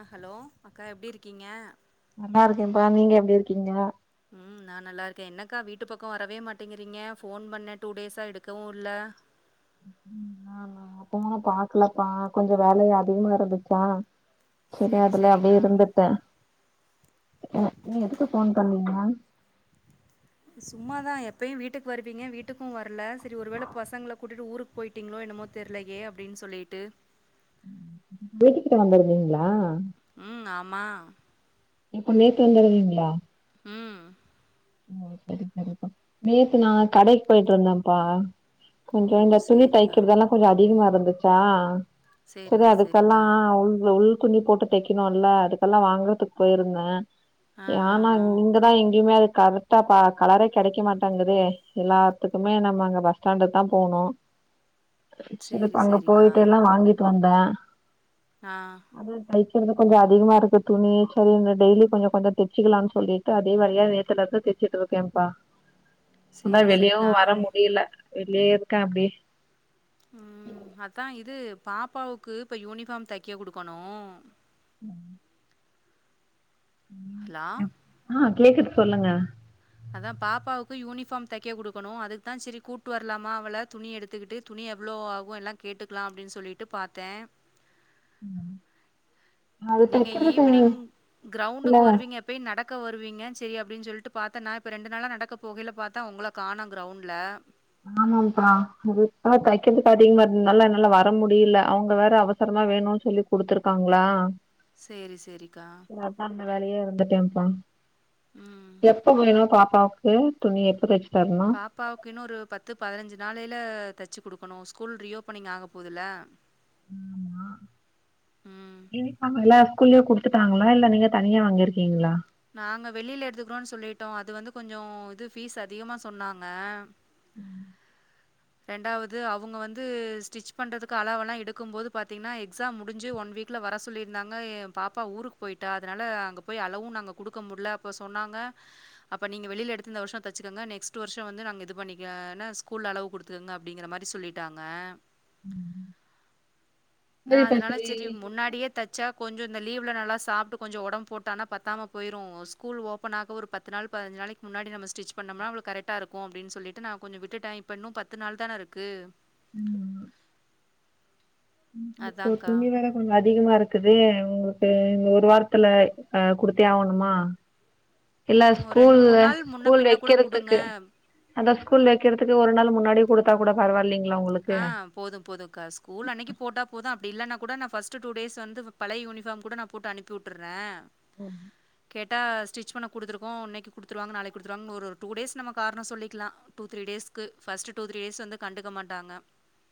ஆஹ் hello அக்கா எப்டி இருக்கீங்க நல்லா இருக்கேன்ப்பா நீங்க எப்டி இருக்கீங்க உம் நான் நல்லா இருக்கேன் என்னக்கா வீட்டு பக்கம் வரவே மாட்டேங்கிறீங்க போன் பண்ணேன் டூ டேஸா எடுக்கவும் இல்ல ஆ நான் போன பாக்கலப்பா கொஞ்சம் வேல அதிகமா இருந்துச்சா சரி சேரி அதுல சேரிக்கா அப்படியே இருந்துட்டேன் நீ எதுக்கு போன் பண்ணீங்க சும்மாதான் எப்பயையும் வீட்டுக்கு வருவீங்க வீட்டுக்கும் வரல சரி ஒருவேளை பசங்களை கூட்டிட்டு ஊருக்கு போயிட்டீங்களோ என்னமோ தெரலையே அப்படின்னு சொல்லிட்டு வீட்டு கிட்ட வந்ததுந்தீங்களா உம் ஆமா இப்ப நேத்து வந்துடுவீங்களா ம் ஓ சரி சரிப்பா நேத்து நான் கடைக்கு போயிட்டு இருந்தேன்ப்பா ஓ கொஞ்சோ இந்த துணி சேரிக்கா தைக்கிறதுலாம் கொஞ்சம் அதிகமா இருந் ருச்சா சரி சேரிக்கா சேரிக்கா அதுக்கெல்லாம் உள் குன்னி போட்டு தைக்கணும் இல்ல அதுக்கல்லாம் வாங்கறதுக்கு போயிருந்தேன் ஆ ஆ ஏனா ஆ இங்கதான் எங்கயுமே இரு கரெக்டா பா கலரே கிடைக்க மாட்டாங்குதே எல்லாத்துக்குமே நம்ம அங்க பஸ் ஸ்டாண்டு தான் போணும் சேரி செரிப்ப அங்க சேரிக்கா போயிட்டு எல்லாம் வாங்கி வந்தன் ஆ அது தை கொஞ்ச கொஞ்சம் அதிகமா இருக்கு துணி சரி இந்த டெய்லி கொஞ்ச கொஞ்சம் தச்சிக்கலாம்னு சொல்லிட்டு அதே வழியே சிலது தச்சுட்டு இருக்கேன்ப்பா அதான் சேரி சேரிக்கா வெளியவும் வர முடியல வெளே இருக்கன் அப்படியே உம் அதான் இது பாப்பாவுக்கு இப்ப யூனிஃபார்ம் தைக்க குடுக்கணும் [unintelligible] ஹலோ ஆ கேக்குது சொல்லுங்க அதான் பாப்பாவுக்கு யூனிஃபார்ம் தைக்க குடுக்கணும் அதுக்குதான் சரி கூட்டு வரலாமா அவள துணி எடுத்துக்கிட்டு துணி எவ்வளவு ஆகும் எல்லாம் கேட்டுக்கலாம் அப்படின்னு சொல்லிட்டு பார்த்தேன் உம் நீங்க ஈவினிங் இல்ல கிரௌண்டுக்கு வருவீங்க போய் நடக் நடக வருவீங்க செரி அப்டின்னு சொல்லிட்டு பாத்தன் நான இப்ப ரெண்டு நாளா நடக்க போகையல பாத்தன் உங்களை காணம் கிரௌண்ட்ல ஆமாப்பா தைக்கருதுக்கு அதிகமா இருந்ததுனால பாத்தீங்க என்னால வர முடியல அவங்க வேற அவசரமா வேணும்னு சொல்லி குடுத்துருக்காங்களா செரி செரிக்கா ந வேலயே வந்துட்டேன்ப்பா ம் எப்ப போயனும் பா பாப்பு துணி எப்ப தச்சு தரணு பாப்பாவுக்குன்னு ஒரு பத்து பத்து பதினஞ்சு நாளையில தச்சு குடுக்கணும் ஸ்கூல் ரீஓபனிங் ஆக போகுதுல ஆமா ம் யூனிபாம் எல்லா ஸ்கூல்லயே குடுத்துட்டாங்களா இல்ல நீங்க தனியா வாங்கிருக்கீங்களா நாங்க வெளியில எடுத்துக்கிறோம்ன்னு சொல்லிட்டோம் அது வந்து கொஞ்சம் இது பபீஸ் அதிகமா சொன்னாங்க உம் ரெண்டாவது அவங்க வந்து ஸ்டிச் பண்றதுக்கு அளவெல்லாம் எடுக்கும் போது பாத்தீங்கன்னா எக்ஸாம் முடிஞ்சு ஒன் வீக்ல வர சொல்லியிருந்தாங்க எ பாப்பா ஊருக்கு போயிட்டா அதனால அங்க போய் அளவும் நாங்க கொடுக்க முடியல அப்ப சொன்னாங்க அப்ப நீங்க வெளியில எடுத்த இந்த வருஷம் தச்சுக்கோங்க நெக்ஸ்ட் வருஷம் வந்து நாங்க இது பண்ணிக்கன்னா ஸ்கூல் அளவு கொடுத் இருக்குங்க அப்டிங்கற மாதரி சொல்லிட்டாங்க நான சரிப்பா அதனால சரி செரி முன்னாடியே தச்சா கொஞ்சம் இந்த லீவல நல்லா சாட்டு கொசம் உடம்ப போட்ட பத்தாம போயிரும் ஸ்கூல் ஓபன் ஆக ஒரு பத்துநாள் பதிஇஞ்சினாலுக்கு முன்னடி ஸ்டிச் பனோம்னா கரெக்ட் ஹா இருக்கும்னுட்டு விட்டுட்டான் இப்ப இன்னும் பத்து பத்து நாள் தானே இருக்கு துணிவேற கொஞ்ச அதி அதிகமா இருக்குது உங்களுக்கு இந்த ஒரு வாரத்துல அஹ் குடுத்தே ஆகணுமா இல்ல ம். ஒரு ஸ்கூல நாள் முன்ன ஸ்கூல பின்ன கூட குடுங்க. வைக்கிறதுக்கு அத ஸ்கூல் வைக்கிறதுக்கு ஒரு நாள் முன்னாடி கொடுத்தா கூட பரவில்லங்க ஆ போதும் போதும்க்கா ஸ்கூல் அன்னைக்கு போட்டா போதும் அப்ப இலனா கூட ந ஃபஸ்டு டூ டேஸ்ந்து பழையயூனிஃபர்ம் கூ நான் போட்டு அனுப்பி விட்டுறேன் ஹம் கேட்டா ஸ்டிச் பண்ண குடுத்துருக்கோம் இன்னைக்கு கொடுத்துருவாங்க நாளைக்கு கொடுருவாங்க ஒரு டூடேஸ் நம்ம காரம் சொல்லிக்கலாம் ஃபர்ஸ்ட்டு டூ த்ரீ டேஸ்க்கு ஃபஸ்ட்டு டூ த்ரீ டேஸ் வந்துட்டு கன்டுக்கமாட்டாங்க ட்டானா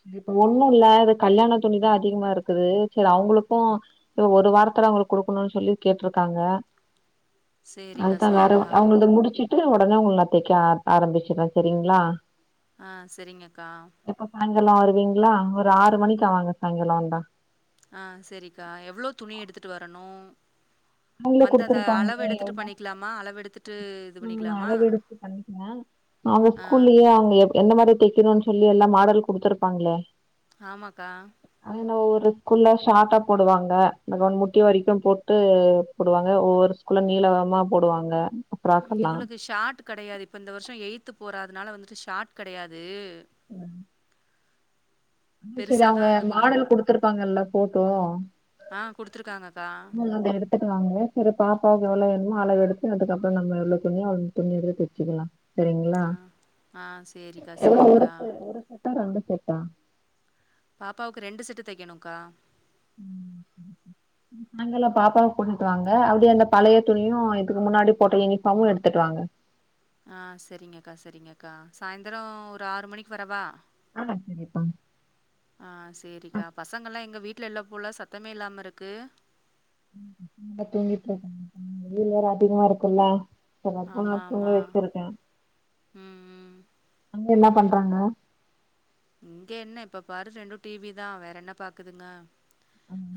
ச இப்ப ஒண்ணும் இல்ல இது கல்யாணி துணிதான் அதிகமா இருக்குது சரி அவங்களுக்கும் இப்ப ஒரு வாரத்துல அவங்களுக்கு குடுக்கணும்னு சொல்லி கேட்டிருக்காங்க சரிக்கா, அதுதான் வேற சரிக்கா. அவங்கள முடிச்சுட்டு உடனே அவங்க தை க்க ஆரம்பிச்சிவோன் செரிங்களா ஆஹ் சரிங்க அக்கா இப்ப சாயங்காலம் வருவீங்களா ஒரு ஆறு மணிக்கு ஆவாங்க சாய்ங்காலம் வந்தா ஆஹ் சரிக்கா எவ்ளவு துணி எடுத்துட்டு வரணும் அவங்களே வந்து அத அளவு எடுத்துட்டு பண்ணிக்கலாமா அளவு எடுத்துட் ந நான் அளவு எடுத்து பண்ணிக்கிறேன் அவங்க ஆ ஸ்கூல்லயே அவங்க எந்த மாரி தைக்கணும்னு சொல்லி எல்லா மாடல் குடுத்ருப்பாங்களே ஆமாக்கா ஒரு ஸ்கூல்ல ஷார்டா போடுவாங்க அன் முட்டிய வரைக்கும் போட்டு போடுவாங்க ஒவ்வொரு ஸ்கூல்ல நீளமா போடுவாங்க ஃப்ராக் எல்லா இவ்வளளுக்கு ஷார்ட் கிடையாது இப்ப இந்த வருஷம் எய்த்து போறதுனால வந்துட்டு ஷார்ட் கிடையாது ம் அது சரி பெருசா அவங்க தான் இது பண்ணணும். மாடல் குடுத்தருப்பாங்கல்ல போட்டும் ஆ குடுத்துருக்காங்கக்கா. உல்ல எடுத்துக்க வாங்க சரி பாப்பா எவ்ளோவேனா அளவு எடுத்து அதுக்கப்பறம் எவ்ள துணியே அவள துணியி எடுத்து சச்சிக்கலாம் செரிங்களா ஆ சரிக்கா, சரிக்கா. [unintelligible] பாப்பாவுக்கு ரெண்டு செட்டு தைக்கணும் கா நாங்கம் பாப்பாவை கூட்டிட்டு வாங்க அப்படியே அந்த பழைய துணியும் இதுக்கு முன்னாடி போட்ட யூனிஃபார்ம்மும் எடுத்துட்டு வாங்க ஆ சரிங்கக்கா சரிங்க அக்கா சாய்ந்தரம் ஒரு ஆறு மணிக்கு வரவா ஆ சரிப்பா. ஆஹ் சேரிக்கா பசங்கல்லாம் எங்க வீட் வீடல எல்லாம் போல சத்தமே இல்லாம இருக்கு தூங்கிட்டு இருக்கா வெயில் வேற அதிகமா இருக்கும்ல்ல ஆமா ஆமா ம் ம் அங்க என்ன பண்றாங்க இங்க என்ன எப்ப பாரு ரெண்டும் டிவி தான் வேற என்ன பாக்குதுங்க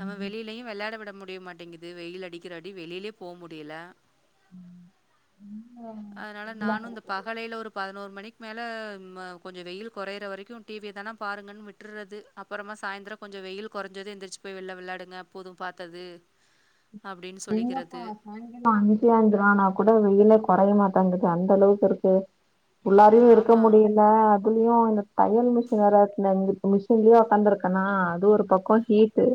நம்ம வெளியிலயும் விளையாட விட [unintelligible] மாட்டேங்குது வெயில் அடிக்கிற அடி வெளியிலயே போ முடில ம் ம் அதனால நானும் இந்த பகலில்லஒரு பதினோரு மணிக்கு மேல கொஞ்சம் வெயில் குறையற வரைக்கும் டிவிதானா பாருங்கன்னு விட்டுறது அப்பறமா சாயந்தரம் கொஞ்சம் வெயில் குறைஞ்சதது எந்திரச்சு போய் வெளியில விளையாடுங்கப் விடுத்து போதும் பாத்தது எங்கப்பா சாயங்கலாமா அஞ்சு ஆயஞ்சருவானா கூட வெயிலே குறைய மாட் அங்களுக்கு அந்த அளவுக்கு இருக்கு உள்ளாரியும் இருக்க ஆமா. முடியல அதுலையும் இந்த தையல் மிஷின் வேற இங்க மிஷின்லயே உக்காந்துருக்கேனா அது ஒரு பக்கம் ஹீட்டு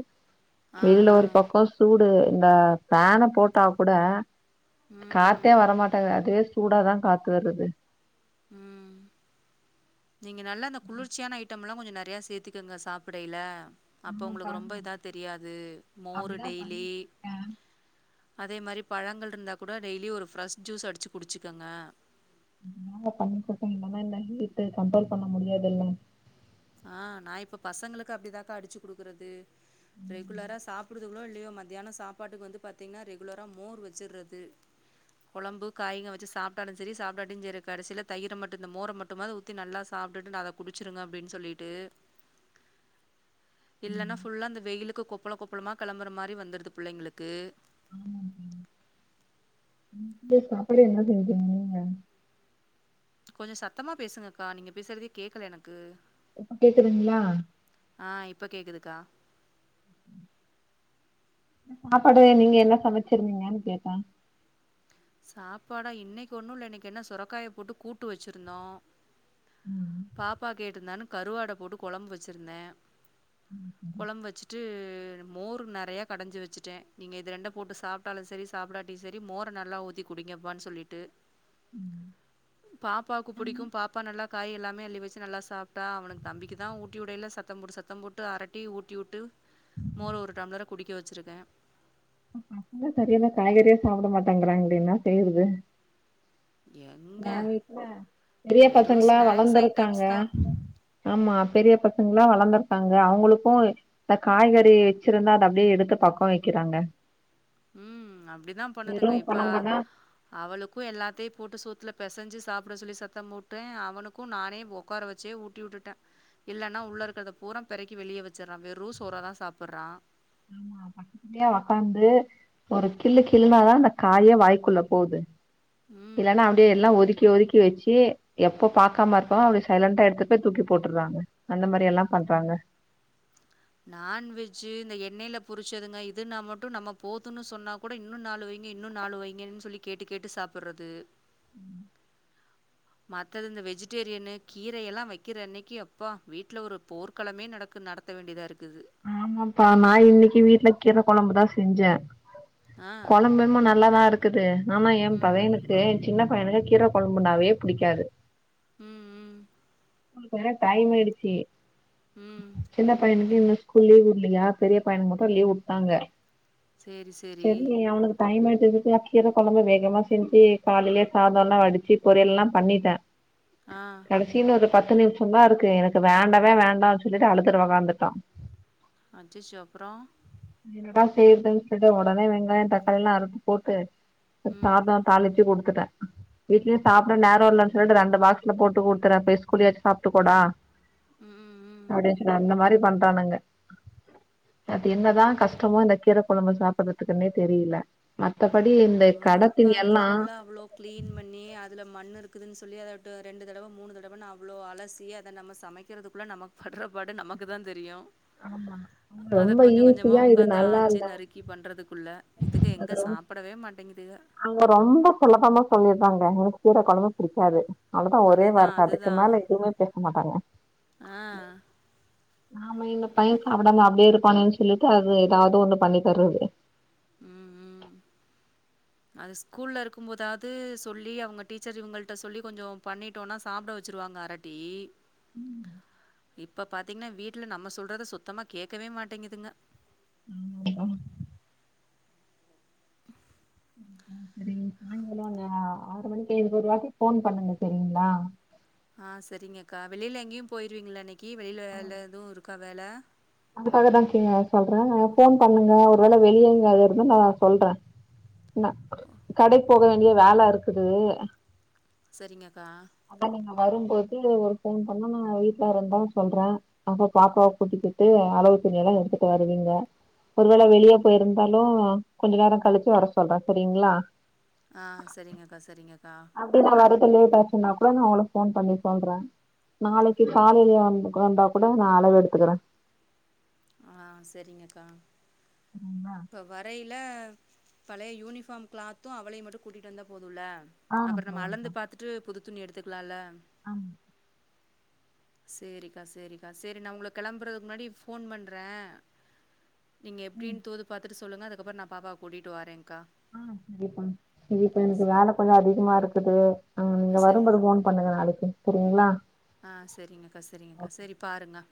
ஆ, இதுல ஆ. ஒரு பக்கம் சூடு இந்த ஃபேன் ஆஹா போட்டா கூட ம், காத்தே ம், வரமாட்டாங்குது அது சூடாதான் காத்து வருது உம் நீங்க நல்ல அந்த குளிர்ச்சிய ஐயிடம் எல்லாம் கொஞ்சம் நெறையா சேர்த்துக்கோங்க சாப்படையில அப்ப ஆமாப்பா உங்களுக்கு ரொம்ப இதா தெரியாது மோரு அப்டிதா டெய்லி பண்ணிட்டு இருக்கே அதே மாதிரி பழங்கள் இருந்தா கூட டெய்லி ஒரு ஃப்ரெஷ் ஜூஸ் அடிச்சு குடிச்சுக்கோங்க என்னால பண்ண முடயாதலாம் இல்ல ஹீட் கண்ட்ரோல் பண்ண முடியாதுல்ல ஆ நான் இப்ப பசங்களுக்கு அப்டிதாக்கா அடிச்சு குடுக்குறது ம், ரெகுலரா சாப்பிடுதுகளோ இல் மத்தியான சாப்பாட்டுக்கு வந்து பாத்தீங்கன்னா ரெகுலராக மோர் வச்சுடுறது குழம்பு காயிங்க வச்சு சாப்பிட்டாலும் சரி சாப்பிடலாம் சரி கடைசியில தயிரம் மட்டும் இந்த மோர மட்டும் அத ஊத்தி நல்லா சாப்பிட்டுட்டு அதை குடிச்சிருங்க அப்படின்னு சொல்லிட்டு இல்லான்னா ம். புல்லா அந்த வெயிலுக்கு கொப்ப கொப்பள கொப்பளமா கிளம்புற மாரி வந்துடுது புள்ளைங்களுக்கு இணைக்கு சாப்பாடு என்ன செய்ய போரிங்க நீங்க கொஞ்சம் சத்தமா பேசுங்கக்கா நீங்க பேசுறதையே கேக்கல எனக்கு இப்ப கேக்குதுங்கல ஆ இப்ப கேக்குதுக்கா சாப்பாடுவே நீங்க என்ன சமச்சிருந்தீங்கன்னு கேட்டா சாப்பாடா இன்னைக்கு ஒண்ணும் இல்ல இன்னைக்கு என்ன சுரக்காய போட்டு கூட்டு வச்சிருந்தோம் பாப்பா கேட்டுருந்தானு கருவாட போட்டு குழம்பு வச்சிருந்தேன் குழம்பு வச்சுட்டு மோர் நறைய கடைஞ்சு வச்சுட்டேன் நீங்க இது ரெண்ட போட்டு சாப்பிட்டாலும் சரி சாப்பிடாட்ட சரி மோர நல்லா உத்தி குடிங்கப்பான்னு சொல்லிட்டு பாப்பாவுக்கு புடிக்கும் பாப்பா நல்லா காய் எல்லாமே அள்ளி வச்சு நல்லா சாப்பிட்டா அவனுக்கு தம்பிக்கு தான் ஊட்டி விடையில் சத்தம்ம்பட்டு சத்தம் போட்டு அரட்டி ஊட்டி விட்டு மோரு ஒரு டம்ளர் குடிக்க வச்சுருக்கேன் பசங்க சரிய காய்கறியா சாப்பிட மாட்டாங்கறாங்களே என்னா செய்யாது எங்கே என் வீட்டுல பெரிய வெறும் பசங்களாம் ஸ்நாக்ஸ் வளர்ந்திருக்காங்க ஐட்டம்ஸ் தான் ஆமா பெரிய பசங்க வளர்ந்திருக்காங்க அவங்களுக்கும் இந்த காய்கறி வச்சிருந்தா அதை அப்படியே எடுத்து பக்கம் வைக்கிறாங்க ம் அப்டிதான் பண்ணுதுங்க வெறும் இப்ப குழம்புனா அவளுக்கும் எல்லாத்தையும் போட்டு சூத்து பிசைஞ்சு சாப்பட சொல்லி சத்தம் போட்டேன் அவனுக்கும் நானே உட்கார வச்சே ஊட்டி விட்டுட்டேன் இல்லன்னா உள்ள இருக்கத பூரா பிறக்கி வெளியே வச்சுடுறான் வெரூ சோறதான் சாப்படுறான் ஆமா பக்கத்துயே உடக்காந்து ஒரு கிள்ளு கிளுனாதான் அந்த காயே வாய்க்குள்ள போகுது ம். இல்லன்னா அப்டியே எல்லாம் ஒதுக்கி ஒதுக்கி தூக்கி வச்சு எப்போ பாக்காம இருப்போ அப்டி சைலண்டா எடுத்துட்டு போய் தூக்கி போட்டுறாங்க அந்த மாரி எல்லாம் பண்றாங்க நான்வெஜ்ஜு இந்த எண்ணெய் புரிச்சதுங்க இதுன்னா மட்டும் நம்ம போதுும்ன்னு சொன்னா கூட இன்னும் நாலு வைங்க இன்னும் நாலு வைங்கன்னு சொல்லி கேட்டு கேட்டு சாப்படுறது ம் மத்தது இந்த வெஜிடேரியனு கீரய எல்லாம் வைக்கிற அன்னைக்கு அப்பா வீட்டுல ஒரு போர்க்களமே நடக்கு நடத்த வேண்டியதா இருக்கு ஆமாப்பா நான இன்னைக்கு வீட்டு்ல கீர கொழம்புதான் செஞ்சேன் ஆ. குழம்யென்மும் நல்லாதான் இரு இக்குது ஆமா என் ம். பதையனுக்கு சின்ன பையனுக்கு கீர கொழம்புனாவே பிடிக்காது ம் ம் [inaudible] வேற டைம்யிடுச்சு ம். சின பயனுகு லீவ் இலையயா பெரிய பையனு மட்டும் லீவ் விட்டாங்க செரி செரி தைமதுல கீர குழம்பு வேகமா செஞ்சு காலையிலயே சாதம் எல்லாம் அடிச்சு பொரியல் எல்லாம் பண்ணிட்டேன் ஆ கடைசினு பத்து நிமிஷம் தான் இருக்கு எனக்கு வேண்டவே வேண்டாம்னு சொல்லிட்டு அழுதுற உகாந்துட்டோம் அசிச்சுசு அப்பறம் என்னட செய்யறதுன்னு சொல்லிட்டு உடனே வெங்காயம் தக்காளி எல்லாம் அறுத்து போட்டு ம் சாதம் தாளிச்சு கொடுத் கொடுறன் வீட்லயே சாப்படற நேரம் இலன்னு சொல்லிட்டு ரெண்டு பாக்ஸ்ல போட்டு குடுத்துறேன் ஸ்கூல்லயே சாப்பட்டு கூடா ம் ம் ம் அப்படின்னு சொன்னன் அந்த மாதிரி பண்றானுங்க அது என்னதான் கஷ்டமோ இந்த கீரை குழம்பு சாப்படுறதுக்குன்னே தெரியல மத்தபடி இந்த நம்ம கட திணி உக்காந்து எல்லா புல்லா அவ்ளோ கிளீன் பண்ணி அதுல மண்ணு இருக் இருக்குதுன்னு சொல்லி அத ரெண்டு தடவை மூனு தடவைன்னா அவ்வளோ அலசிை அதை நம்ம சமைக்கிறதுக்குள்ளே நமக்கு படுற பாடு நமக்கு தான் தெரியும் ஆமா அத ரொம்ப கொஞ்சம் கொஞ்சமா ஈஸியா இது உக்காந்து நல்லா ஆஞ்சு இல்ல நறுக்கி பண்றதுக்குள்ள இதுக்கு எங்க சாப் ங்க அங்க ரொம்ப சுலபமா சொல்லிருந்தாங்க எனக்கு கீர குழம்புபிடிக்காது அவ்ளவுதான் அதுதா ஒரோவார்த்த அதுக்கு அதுதா மேல எதுவுமே பேச என்ன பன்லாம் ஆ ஆமா இந்தன்ன பையன் சாப்படாம அப்டியே இருப்பானேனு சொல்லிட்டு அது ஏதாவது ஒண்ணு பண்ணி தர்றது ம் ம் அது ஸ்கூல்ல இருக்கும் போதாது சொல்லி அவங்க டீச்சர் இவங்கள்ட சொல்லி கொஞ்சம் பண்ணிட்டோம்னா சாப்பட வச்சிருவாங்க அரட்டி ம் இப்ப பாத்தீங்கன்னா வீட்டுல நம்ம சொல்றத சுத்தமா கேடக்கவே மாட்டேங்குதுங்க ஆமா சரி சாயங்காலம் அங்க ஆறு மணிக்கு இது ஒரு வாட்டி போன் பண்ணுங்க சரிங்களா ஆ செரிங்க அக்கா வெளியல எங்கேயும் போயிருவீங்களா இன்னக்கி கீ வெளியில வேல எதுவும் இருக்கா வேள அதுக்காகதாங்க சொல்றேன் போன் பண்ணுங்க ஒரு வேள வெளியேங்கயாது இருந்த நான சொல்றேன் கடைக்கு போக வேண்டிய வேல இருக்குது செரிங்கக்கா வரும் போது ஒரு பேன் பண்ணும் நா வீட்டுல இருந்தா சொல்றேன் அப்ப பாப்பாவை கூட்டிட்டு ட்டு அளவு துணி எல்லாம் எடுத்துட்டு வருவீங்க ஒருவேள வெளிய போயிருந்தாலும் கொஞ்ச நேரம் கழிச்சு வர சொல்றேன் செரிங்களா ஹா செரிங்கக்கா செரிங்கக்கா அப்டின்ன வரு லேட் ஆச்சுன்னா கூட நான உங்களுக்கு போன் பண்ணி சொல்றேன் நாளைக்கு காலையிலயே வந்து வந்தா கூட நான் அளவு எடுத்துக்குறேன் ஆ செரிங்கக்கா சரிங்களா இப்ப வரயில பழைய யூனிஃபார்ம் கிளாத்தும் அவளை மட்டும் கூட்டிகிட்டு வந்தா போதும் ல்ல ஆ அப்புறம் நம்ம அளந்து போலாம்ப்பா பாத்துட்டு புது துணி எடுத்துக்கலாம்ல ஆமா சேரிக்கா சேரிக்கா சேரி நான் உங்க கிளம்புறதுக்கு முன்னாடி போன் பண்றேன் நீங்க ம் எப்டின்னு தோது பாத்துட்டு சொல்லுங்க அதுக்கப்பறம் நா பாப்பாவை கூட்டிட்டு வரேன்கா ஆஹ கண்டிப்ப இப்ப எனக்கு வேலை கொஞ்சம் அதிகமா இருக்குது ஆ இங்க சரி. வரும்போது போன் பண்ணுங்க நாளைக்கு செரிங்களா ஆ செரிங்கக்கா செரிங்கக்கா செரி பாருங்க